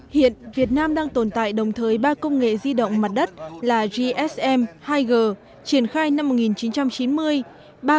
hiện việt nam đang tồn tại đồng thời ba công nghệ di động mặt đất là gsm hai g triển khai năm một nghìn chín trăm chín mươi